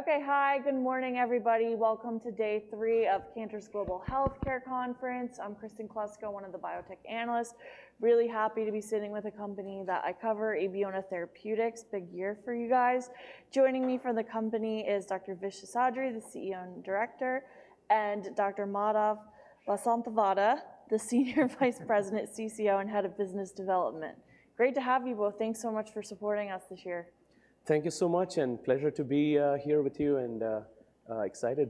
Okay, hi, good morning, everybody. Welcome to day three of Cantor's Global Healthcare Conference. I'm Kristin Kluska, one of the biotech analysts. Really happy to be sitting with a company that I cover, Abeona Therapeutics. Big year for you guys. Joining me from the company is Dr. Vishwas Seshadri, the CEO and Director, and Dr. Madhav Vasanthavada, the Senior Vice President, CCO, and Head of Business Development. Great to have you both. Thanks so much for supporting us this year. Thank you so much, and pleasure to be here with you, and excited.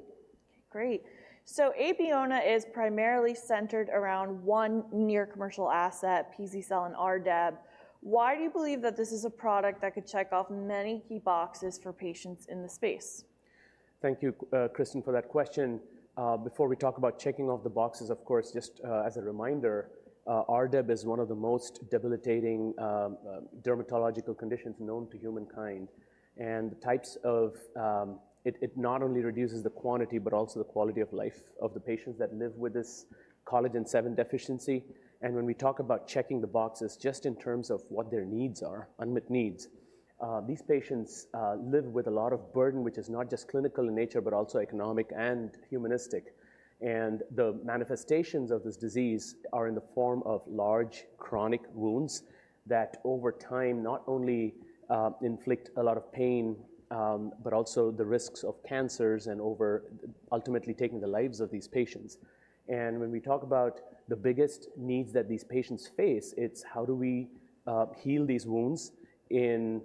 Great. So Abeona is primarily centered around one near commercial asset, pz-cel and RDEB. Why do you believe that this is a product that could check off many key boxes for patients in the space? Thank you, Kristin, for that question. Before we talk about checking off the boxes, of course, just as a reminder, RDEB is one of the most debilitating dermatological conditions known to humankind. It not only reduces the quantity, but also the quality of life of the patients that live with this Collagen VII deficiency. And when we talk about checking the boxes, just in terms of what their needs are, unmet needs, these patients live with a lot of burden, which is not just clinical in nature, but also economic and humanistic. And the manifestations of this disease are in the form of large, chronic wounds that over time, not only inflict a lot of pain, but also the risks of cancers and ultimately taking the lives of these patients. When we talk about the biggest needs that these patients face, it's how do we heal these wounds in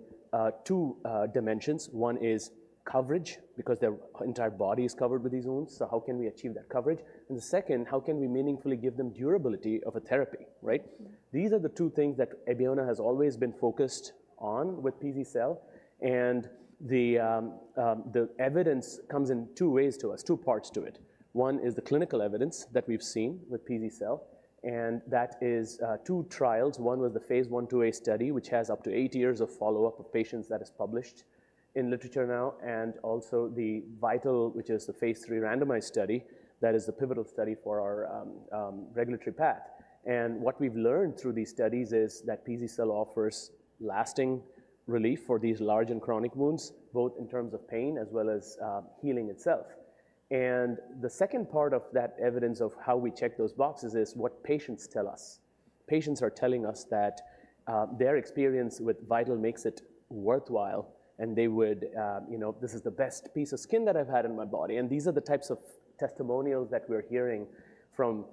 two dimensions? One is coverage, because their entire body is covered with these wounds, so how can we achieve that coverage? And the second, how can we meaningfully give them durability of a therapy, right? These are the two things that Abeona has always been focused on with pz-cel, and the evidence comes in two ways to us, two parts to it. One is the clinical evidence that we've seen with pz-cel, and that is two trials. One was the phase I/II-A study, which has up to eight years of follow-up of patients that is published in literature now, and also the VIITAL, which is the phase III randomized study, that is the pivotal study for our regulatory path. What we've learned through these studies is that pz-cel offers lasting relief for these large and chronic wounds, both in terms of pain as well as healing itself. The second part of that evidence of how we check those boxes is what patients tell us. Patients are telling us that their experience with VIITAL makes it worthwhile, and they would... You know, "This is the best piece of skin that I've had in my body." These are the types of testimonials that we're hearing from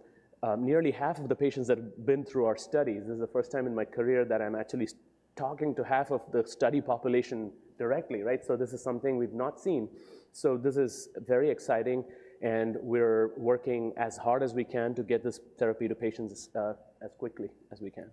nearly half of the patients that have been through our studies. This is the first time in my career that I'm actually talking to half of the study population directly, right? This is something we've not seen. So this is very exciting, and we're working as hard as we can to get this therapy to patients as quickly as we can.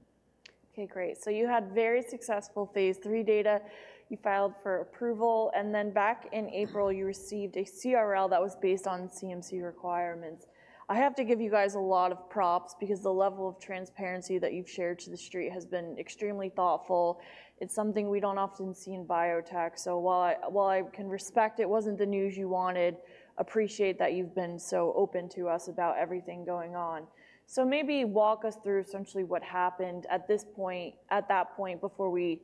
Okay, great. So you had very successful phase III data. You filed for approval, and then back in April, you received a CRL that was based on CMC requirements. I have to give you guys a lot of props because the level of transparency that you've shared to the street has been extremely thoughtful. It's something we don't often see in biotech, so while I, while I can respect it wasn't the news you wanted, appreciate that you've been so open to us about everything going on. So maybe walk us through essentially what happened at this point, at that point, before we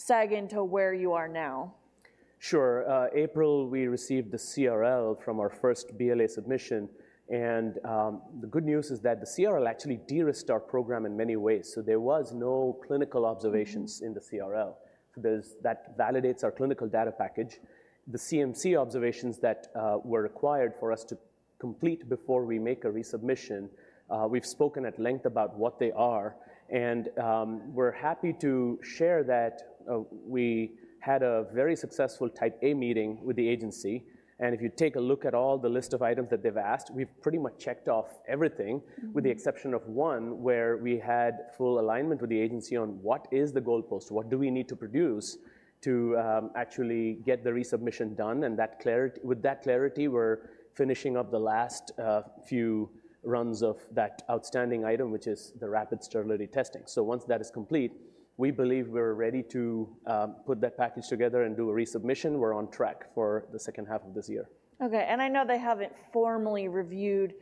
segue into where you are now. Sure. April, we received the CRL from our first BLA submission, and the good news is that the CRL actually de-risked our program in many ways. So there was no clinical observations- Mm-hmm. In the CRL. So there's, that validates our clinical data package. The CMC observations that were required for us to complete before we make a resubmission, we've spoken at length about what they are, and we're happy to share that we had a very successful Type A meeting with the agency. And if you take a look at all the list of items that they've asked, we've pretty much checked off everything- Mm-hmm. With the exception of one, where we had full alignment with the agency on what is the goalpost, what do we need to produce to actually get the resubmission done, and that clarity. With that clarity, we're finishing up the last few runs of that outstanding item, which is the rapid sterility testing. So once that is complete, we believe we're ready to put that package together and do a resubmission. We're on track for the second half of this year. Okay, and I know they haven't formally reviewed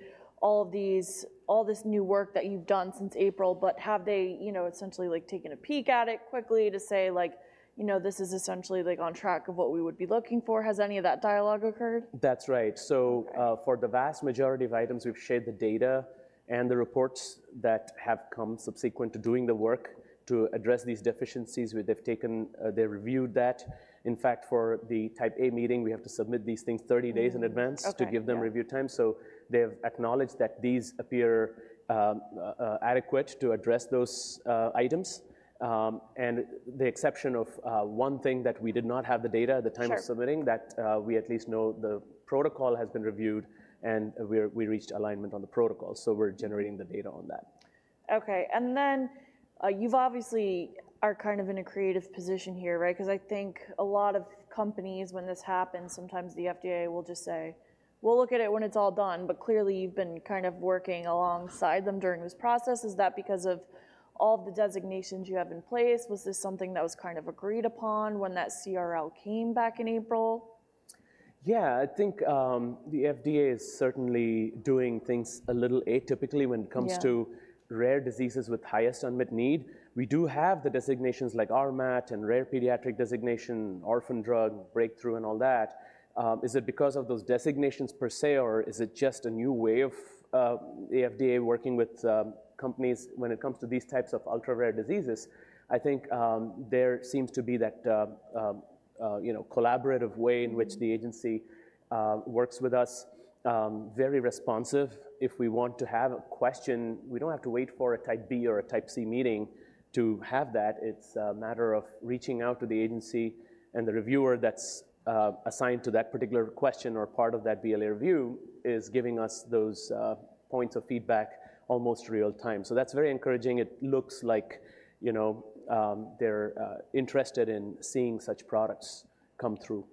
all of these, all this new work that you've done since April, but have they, you know, essentially, like, taken a peek at it quickly to say, like, "You know, this is essentially, like, on track of what we would be looking for"? Has any of that dialogue occurred? That's right. Okay. So, for the vast majority of items, we've shared the data and the reports that have come subsequent to doing the work to address these deficiencies. They've taken, they reviewed that. In fact, for the Type A meeting, we have to submit these things thirty days in advance. Mm. Okay, yeah. -to give them review time. So they have acknowledged that these appear adequate to address those items. With the exception of one thing that we did not have the data at the time of submitting- Sure... that, we at least know the protocol has been reviewed, and we reached alignment on the protocol, so we're generating the data on that. Okay, and then, you've obviously are kind of in a creative position here, right? 'Cause I think a lot of companies, when this happens, sometimes the FDA will just say, "We'll look at it when it's all done," but clearly, you've been kind of working alongside them during this process. Is that because of all the designations you have in place? Was this something that was kind of agreed upon when that CRL came back in April?... Yeah, I think, the FDA is certainly doing things a little atypically when it comes to- Yeah. -rare diseases with highest unmet need. We do have the designations like RMAT and Rare Pediatric Designation, Orphan Drug, Breakthrough, and all that. Is it because of those designations per se, or is it just a new way of, the FDA working with, companies when it comes to these types of ultra-rare diseases? I think, there seems to be that, you know, collaborative way in which- Mm-hmm. The agency works with us very responsive. If we want to have a question, we don't have to wait for a Type B or a Type C meeting to have that. It's a matter of reaching out to the agency, and the reviewer that's assigned to that particular question or part of that BLA review is giving us those points of feedback almost real time. So that's very encouraging. It looks like, you know, they're interested in seeing such products come through.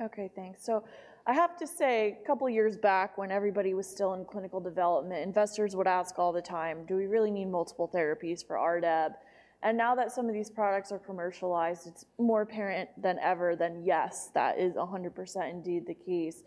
Okay, thanks. So I have to say, a couple of years back, when everybody was still in clinical development, investors would ask all the time, "Do we really need multiple therapies for RDEB?" And now that some of these products are commercialized, it's more apparent than ever that, yes, that is 100% indeed the case.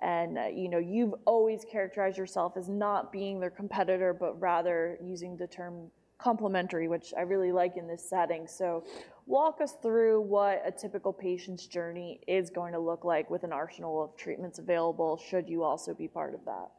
And, you know, you've always characterized yourself as not being their competitor, but rather using the term complementary, which I really like in this setting. So walk us through what a typical patient's journey is going to look like with an arsenal of treatments available, should you also be part of that?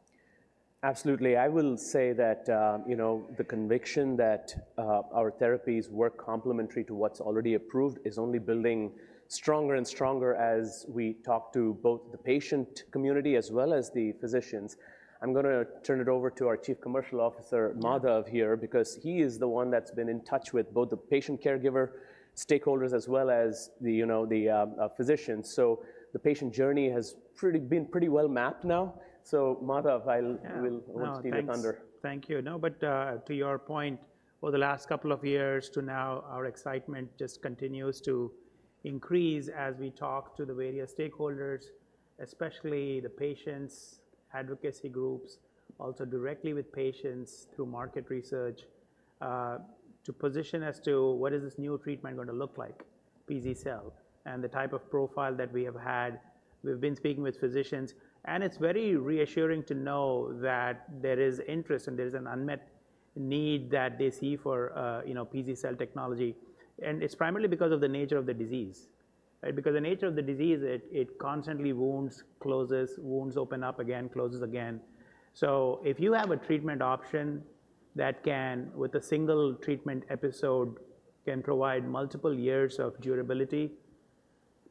Absolutely. I will say that, you know, the conviction that our therapies work complementary to what's already approved is only building stronger and stronger as we talk to both the patient community as well as the physicians. I'm gonna turn it over to our Chief Commercial Officer, Madhav, here, because he is the one that's been in touch with both the patient caregiver, stakeholders, as well as the, you know, the, physicians. So the patient journey has been pretty well mapped now. So, Madhav, I'll- Yeah. We'll want you to take under. Thank you. Thank you. No, but, to your point, over the last couple of years to now, our excitement just continues to increase as we talk to the various stakeholders, especially the patients, advocacy groups, also directly with patients through market research, to position as to what is this new treatment going to look like, pz-cel, and the type of profile that we have had. We've been speaking with physicians, and it's very reassuring to know that there is interest and there is an unmet need that they see for, you know, pz-cel technology, and it's primarily because of the nature of the disease, right? Because the nature of the disease, it constantly wounds, closes, wounds open up again, closes again. So if you have a treatment option that can, with a single treatment episode, can provide multiple years of durability,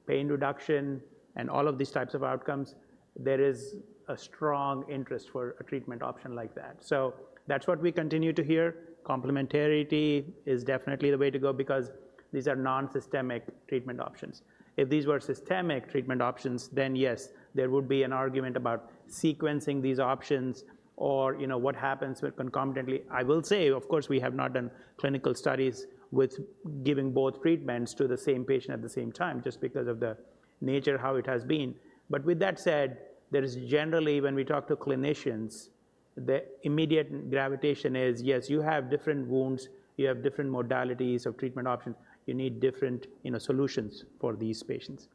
pain reduction, and all of these types of outcomes, there is a strong interest for a treatment option like that. So that's what we continue to hear. Complementarity is definitely the way to go because these are non-systemic treatment options. If these were systemic treatment options, then yes, there would be an argument about sequencing these options or, you know, what happens when concomitantly... I will say, of course, we have not done clinical studies with giving both treatments to the same patient at the same time just because of the nature how it has been. But with that said, there is generally, when we talk to clinicians, the immediate gravitation is, yes, you have different wounds, you have different modalities of treatment options, you need different, you know, solutions for these patients.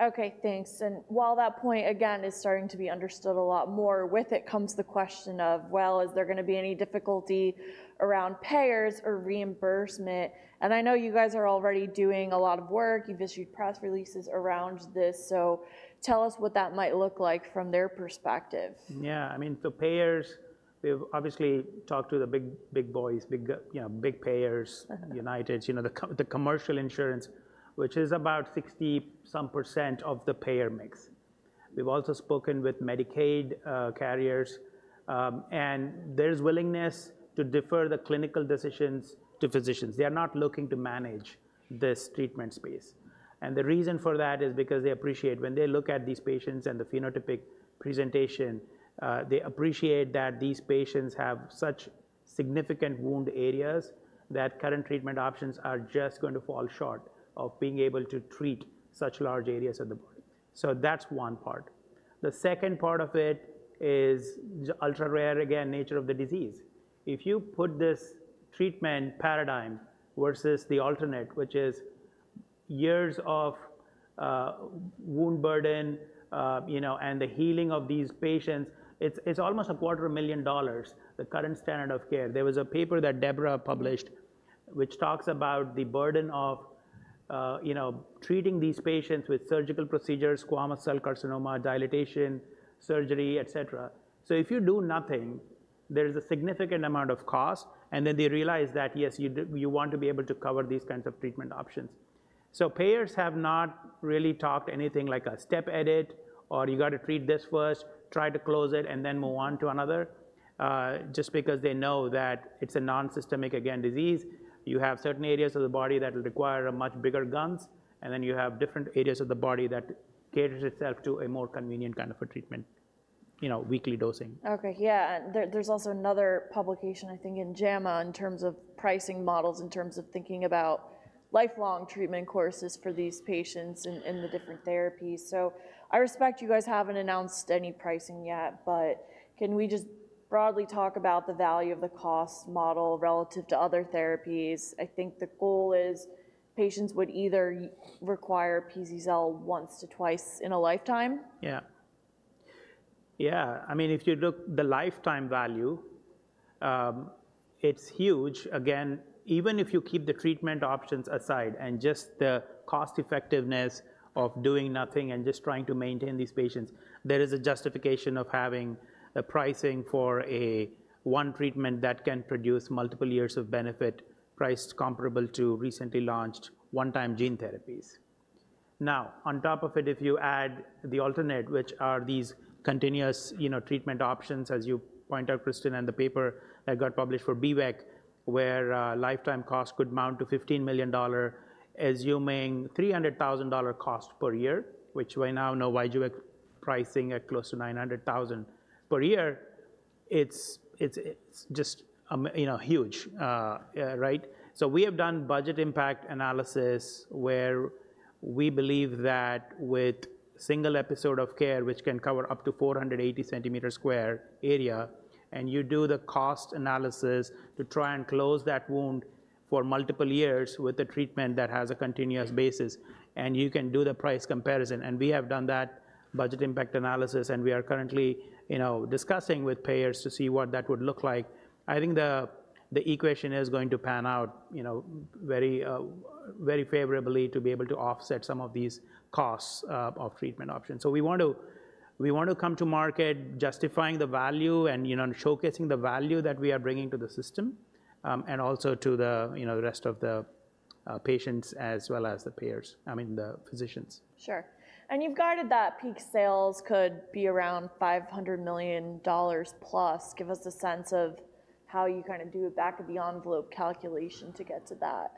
Okay, thanks. And while that point, again, is starting to be understood a lot more, with it comes the question of, well, is there going to be any difficulty around payers or reimbursement? And I know you guys are already doing a lot of work. You've issued press releases around this, so tell us what that might look like from their perspective. Yeah. I mean, to payers, we've obviously talked to the big boys, big payers - United, you know, the commercial insurance, which is about 60% of the payer mix. We've also spoken with Medicaid carriers, and there's willingness to defer the clinical decisions to physicians. They are not looking to manage this treatment space, and the reason for that is because they appreciate when they look at these patients and the phenotypic presentation, they appreciate that these patients have such significant wound areas that current treatment options are just going to fall short of being able to treat such large areas of the body. So that's one part. The second part of it is the ultra-rare, again, nature of the disease. If you put this treatment paradigm versus the alternate, which is years of wound burden, you know, and the healing of these patients, it's almost $250,000, the current standard of care. There was a paper that DEBRA published, which talks about the burden of, you know, treating these patients with surgical procedures, squamous cell carcinoma, dilatation, surgery, et cetera. So if you do nothing, there is a significant amount of cost, and then they realize that, yes, you do want to be able to cover these kinds of treatment options. So payers have not really talked anything like a step edit, or you got to treat this first, try to close it, and then move on to another, just because they know that it's a non-systemic, again, disease. You have certain areas of the body that will require a much bigger guns, and then you have different areas of the body that caters itself to a more convenient kind of a treatment, you know, weekly dosing. Okay. Yeah, there's also another publication, I think, in JAMA, in terms of pricing models, in terms of thinking about lifelong treatment courses for these patients- Mm-hmm. And the different therapies. So I suspect you guys haven't announced any pricing yet, but can we just broadly talk about the value of the cost model relative to other therapies? I think the goal is patients would either require pz-cel once to twice in a lifetime. Yeah, I mean, if you look at the lifetime value, it's huge. Again, even if you keep the treatment options aside and just the cost-effectiveness of doing nothing and just trying to maintain these patients, there is a justification of having a pricing for a one treatment that can produce multiple years of benefit, priced comparable to recently launched one-time gene therapies. Now, on top of it, if you add the alternate, which are these continuous, you know, treatment options, as you point out, Kristin, and the paper that got published for B-VEC, where lifetime cost could mount to $15 million, assuming $300,000 cost per year, which we now know why you were pricing at close to $900,000 per year, it's just a, you know, huge, right? So we have done budget impact analysis, where we believe that with single episode of care, which can cover up to 480 square centimeter area, and you do the cost analysis to try and close that wound for multiple years with a treatment that has a continuous basis, and you can do the price comparison. And we have done that budget impact analysis, and we are currently, you know, discussing with payers to see what that would look like. I think the equation is going to pan out, you know, very, very favorably to be able to offset some of these costs of treatment options. So we want to come to market justifying the value and, you know, and showcasing the value that we are bringing to the system, and also to the, you know, the rest of the patients as well as the payers, I mean, the physicians. Sure. And you've guided that peak sales could be around $500 million plus. Give us a sense of how you kind of do a back of the envelope calculation to get to that.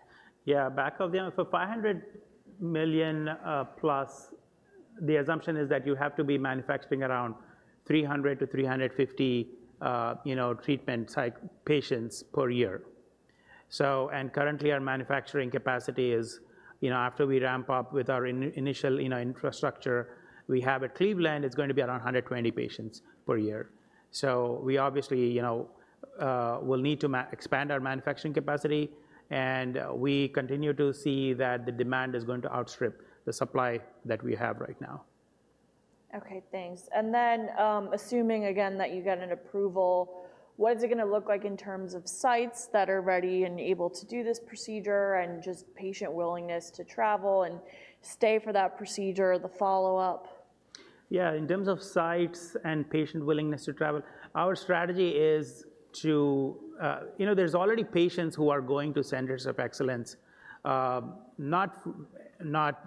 Yeah. So $500 million plus, the assumption is that you have to be manufacturing around 300-350, you know, treatment site patients per year. So, and currently, our manufacturing capacity is, you know, after we ramp up with our initial, you know, infrastructure we have at Cleveland, it's going to be around 120 patients per year. So we obviously, you know, will need to expand our manufacturing capacity, and we continue to see that the demand is going to outstrip the supply that we have right now. Okay, thanks. And then, assuming again that you get an approval, what is it gonna look like in terms of sites that are ready and able to do this procedure, and just patient willingness to travel and stay for that procedure, the follow-up? Yeah, in terms of sites and patient willingness to travel, our strategy is to, you know, there's already patients who are going to centers of excellence, not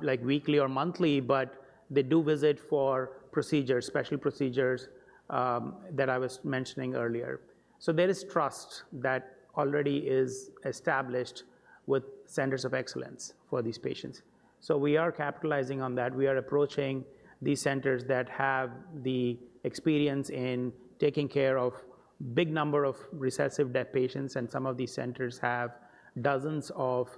like weekly or monthly, but they do visit for procedures, special procedures that I was mentioning earlier. So there is trust that already is established with centers of excellence for these patients. So we are capitalizing on that. We are approaching these centers that have the experience in taking care of big number of recessive DEB patients, and some of these centers have dozens of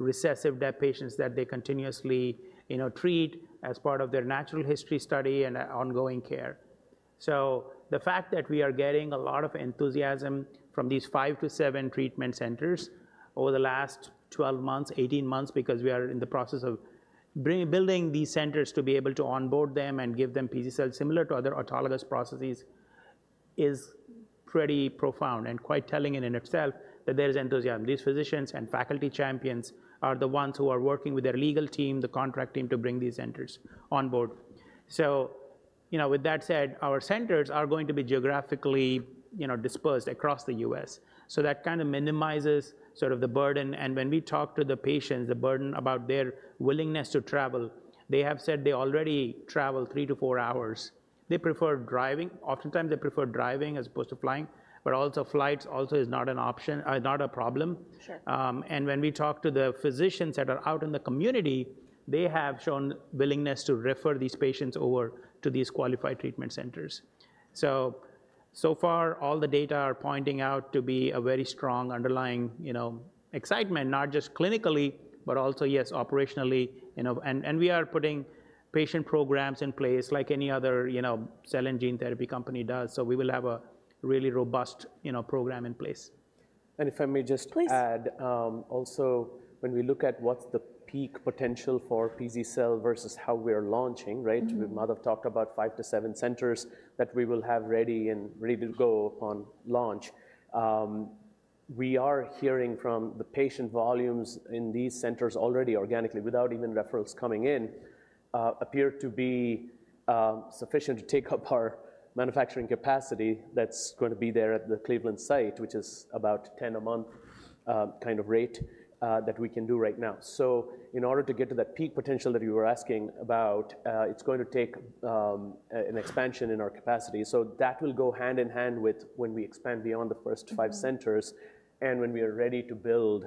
recessive DEB patients that they continuously, you know, treat as part of their natural history study and ongoing care. The fact that we are getting a lot of enthusiasm from these five to seven treatment centers over the last 12 months, 18 months, because we are in the process of building these centers to be able to onboard them and give them pz-cel similar to other autologous processes, is pretty profound and quite telling in itself that there is enthusiasm. These physicians and faculty champions are the ones who are working with their legal team, the contract team, to bring these centers on board. You know, with that said, our centers are going to be geographically, you know, dispersed across the U.S., so that kind of minimizes sort of the burden. When we talk to the patients, the burden about their willingness to travel, they have said they already travel three to four hours. They prefer driving. Oftentimes, they prefer driving as opposed to flying, but also flights is not an option, not a problem. Sure. And when we talk to the physicians that are out in the community, they have shown willingness to refer these patients over to these qualified treatment centers. So far, all the data are pointing out to be a very strong underlying, you know, excitement, not just clinically, but also, yes, operationally, you know. And we are putting patient programs in place like any other, you know, cell and gene therapy company does. So we will have a really robust, you know, program in place. If I may just- Please. Add, also, when we look at what's the peak potential for pz-cel versus how we are launching, right? Mm-hmm. Madhav talked about five to seven centers that we will have ready and ready to go on launch. We are hearing from the patient volumes in these centers already organically, without even referrals coming in, appear to be sufficient to take up our manufacturing capacity that's going to be there at the Cleveland site, which is about 10 a month, kind of rate, that we can do right now. So in order to get to that peak potential that you were asking about, it's going to take an expansion in our capacity. So that will go hand in hand with when we expand beyond the first five centers. Mm-hmm. And when we are ready to build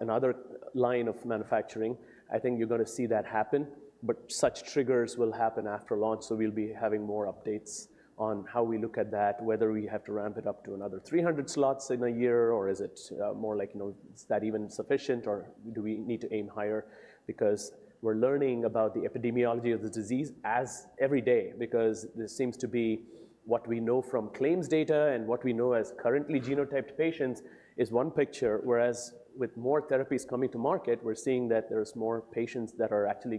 another line of manufacturing, I think you're going to see that happen, but such triggers will happen after launch, so we'll be having more updates on how we look at that, whether we have to ramp it up to another three hundred slots in a year, or is it more like, you know, is that even sufficient, or do we need to aim higher? Because we're learning about the epidemiology of the disease as every day, because this seems to be what we know from claims data and what we know as currently genotyped patients is one picture, whereas with more therapies coming to market, we're seeing that there's more patients that are actually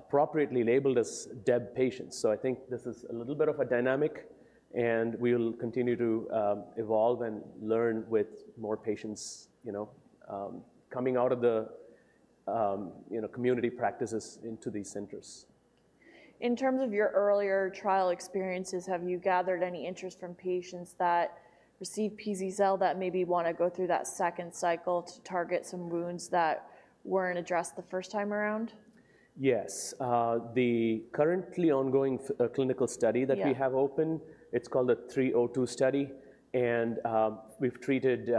getting appropriately labeled as DEB patients. So I think this is a little bit of a dynamic, and we will continue to evolve and learn with more patients, you know, coming out of the, you know, community practices into these centers. In terms of your earlier trial experiences, have you gathered any interest from patients that receive pz-cel that maybe want to go through that second cycle to target some wounds that weren't addressed the first time around? Yes. The currently ongoing clinical study- Yeah... that we have open, it's called a 302 study, and we've treated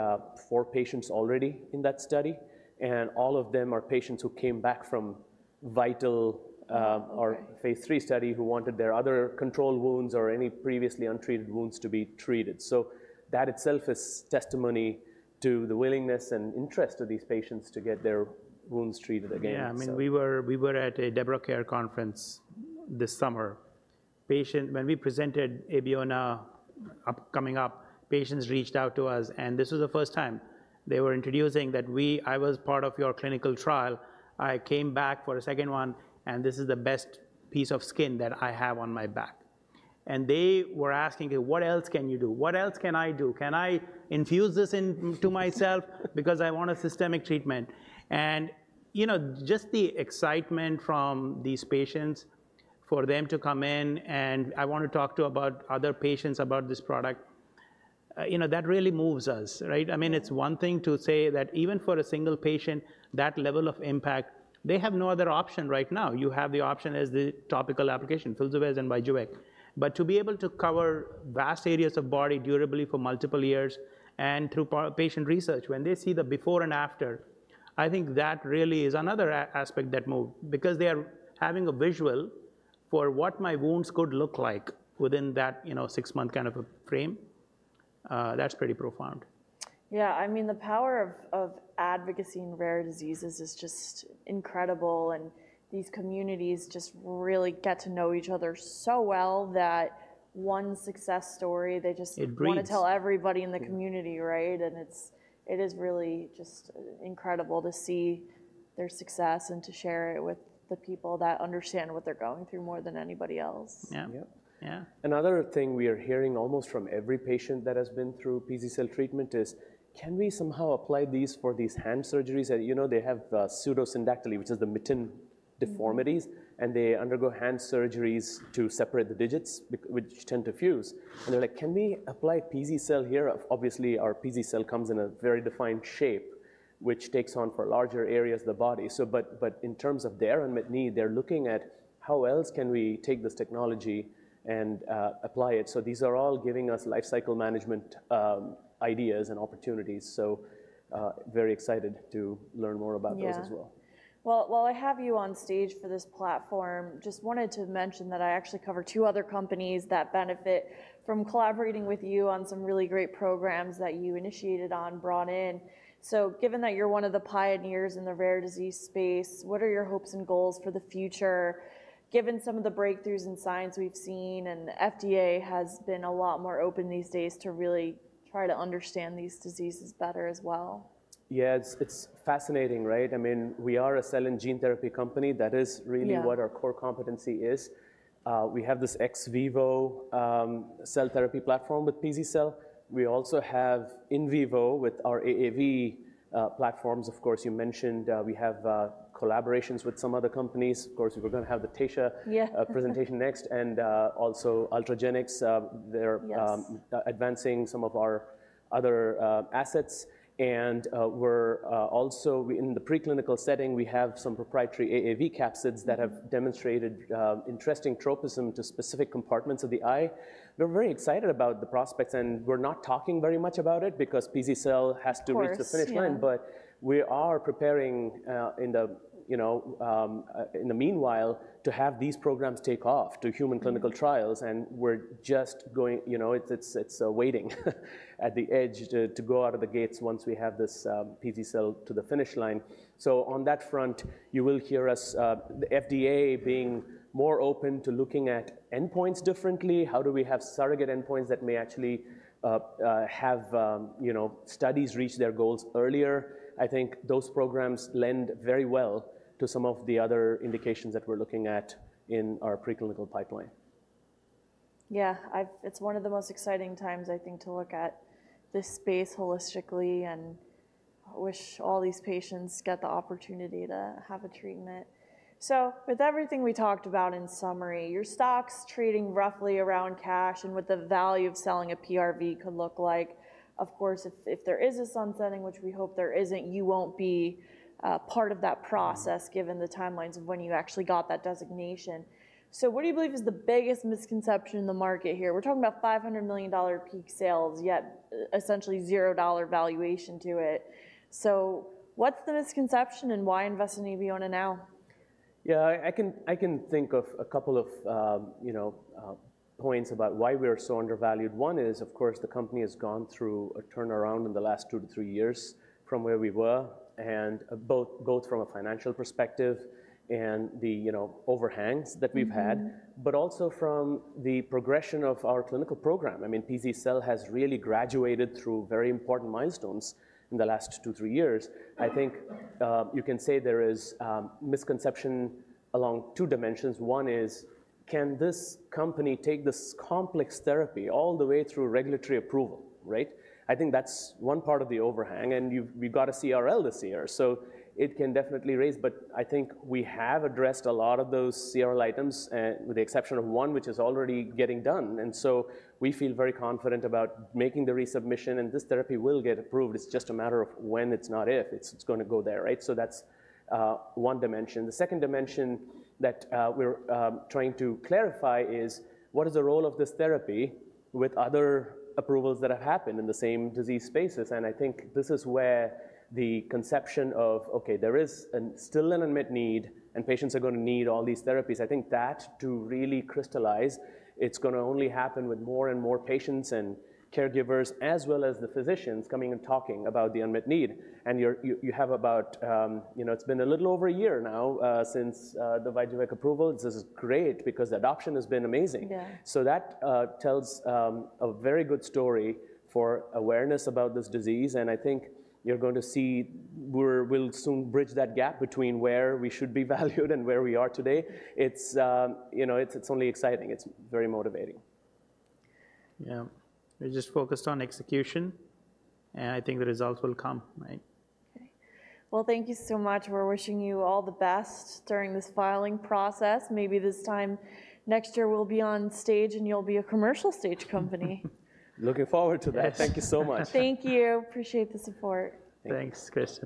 four patients already in that study, and all of them are patients who came back from VIITAL. Okay... or phase III study, who wanted their other controlled wounds or any previously untreated wounds to be treated. So that itself is testimony to the willingness and interest of these patients to get their wounds treated again. Yeah, I mean, we were at a DEBRA Care Conference this summer. A patient—when we presented Abeona upcoming, patients reached out to us, and this was the first time. They were introducing that I was part of your clinical trial. I came back for a second one, and this is the best piece of skin that I have on my back. And they were asking: "What else can you do? What else can I do? Can I infuse this into myself because I want a systemic treatment." And, you know, just the excitement from these patients for them to come in, and I want to talk to other patients about this product, you know, that really moves us, right? I mean, it's one thing to say that even for a single patient, that level of impact, they have no other option right now. You have the option as the topical application, Filsuvez and Vyjuvek. But to be able to cover vast areas of body durably for multiple years and through patient research, when they see the before and after, I think that really is another aspect that moves, because they are having a visual for what my wounds could look like within that, you know, six-month kind of a frame. That's pretty profound. Yeah, I mean, the power of advocacy in rare diseases is just incredible, and these communities just really get to know each other so well that one success story, they just- It breeds-... want to tell everybody in the community, right? And it is really just incredible to see their success and to share it with the people that understand what they're going through more than anybody else. Yeah. Yeah. Yeah. Another thing we are hearing almost from every patient that has been through pz-cel treatment is: Can we somehow apply these for these hand surgeries? You know, they have pseudo-syndactyly, which is the mitten deformities. Mm-hmm. And they undergo hand surgeries to separate the digits, which tend to fuse, and they're like: "Can we apply pz-cel here?" Obviously, our pz-cel comes in a very defined shape, which takes on for larger areas of the body, but in terms of their unmet need, they're looking at how else can we take this technology and apply it, so these are all giving us life cycle management ideas and opportunities, very excited to learn more about those as well. Yeah. Well, while I have you on stage for this platform, just wanted to mention that I actually cover two other companies that benefit from collaborating with you on some really great programs that you initiated on, brought in. So given that you're one of the pioneers in the rare disease space, what are your hopes and goals for the future, given some of the breakthroughs in science we've seen, and the FDA has been a lot more open these days to really try to understand these diseases better as well? Yeah, it's fascinating, right? I mean, we are a cell and gene therapy company. That is really- Yeah... what our core competency is. We have this ex vivo cell therapy platform with pz-cel. We also have in vivo with our AAV platforms. Of course, you mentioned we have collaborations with some other companies. Of course, we're going to have the Taysha- Yeah,... presentation next, and also Ultragenyx, they're- Yes... advancing some of our other assets, and we're also in the preclinical setting. We have some proprietary AAV capsids that have demonstrated interesting tropism to specific compartments of the eye. We're very excited about the prospects, and we're not talking very much about it because pz-cel has to reach- Of course... the finish line. Yeah. But we are preparing, in the, you know, in the meanwhile, to have these programs take off to human clinical trials, and we're just going... You know, it's waiting at the edge to go out of the gates once we have this, pz-cel to the finish line. So on that front, you will hear us, the FDA being more open to looking at endpoints differently. How do we have surrogate endpoints that may actually, have, you know, studies reach their goals earlier? I think those programs lend very well to some of the other indications that we're looking at in our preclinical pipeline. Yeah, it's one of the most exciting times, I think, to look at this space holistically, and I wish all these patients get the opportunity to have a treatment. So with everything we talked about in summary, your stock's trading roughly around cash and what the value of selling a PRV could look like. Of course, if there is a sunsetting, which we hope there isn't, you won't be part of that process. Mm-hmm... given the timelines of when you actually got that designation. So what do you believe is the biggest misconception in the market here? We're talking about $500 million peak sales, yet essentially $0 valuation to it. So what's the misconception, and why invest in Abeona now? Yeah, I can think of a couple of, you know, points about why we're so undervalued. One is, of course, the company has gone through a turnaround in the last two to three years from where we were, and both from a financial perspective and the, you know, overhangs that we've had- Mm-hmm... but also from the progression of our clinical program. I mean, pz-cel has really graduated through very important milestones in the last two, three years. I think you can say there is misconception along two dimensions. One is, can this company take this complex therapy all the way through regulatory approval, right? I think that's one part of the overhang, and you've- we've got a CRL this year, so it can definitely raise. But I think we have addressed a lot of those CRL items with the exception of one, which is already getting done. And so we feel very confident about making the resubmission, and this therapy will get approved. It's just a matter of when, it's not if. It's, it's gonna go there, right? So that's one dimension. The second dimension that we're trying to clarify is, what is the role of this therapy with other approvals that have happened in the same disease spaces? And I think this is where the conception of, okay, there is still an unmet need, and patients are gonna need all these therapies. I think that to really crystallize, it's gonna only happen with more and more patients and caregivers, as well as the physicians coming and talking about the unmet need. And you have about, you know, it's been a little over a year now, since the Vyjuvek approval. This is great because the adoption has been amazing. Yeah. So that tells a very good story for awareness about this disease, and I think you're going to see we'll soon bridge that gap between where we should be valued and where we are today. It's you know, it's only exciting. It's very motivating. Yeah. We're just focused on execution, and I think the results will come, right? Okay. Well, thank you so much. We're wishing you all the best during this filing process. Maybe this time next year, we'll be on stage, and you'll be a commercial stage company. Looking forward to that. Yes. Thank you so much. Thank you. Appreciate the support. Thanks, Kristin.